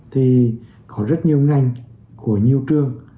thì có rất nhiều ngành của nhiều trường